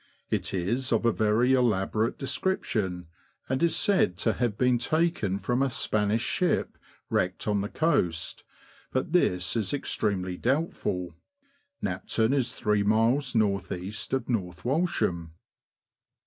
It is of a very elaborate description, and is said to have been taken from a Spanish ship wrecked on the coast ; but this is extremely doubtful. Knapton is three miles north east of North Walsham.